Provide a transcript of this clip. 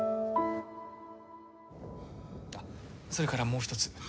あっそれからもう一つ。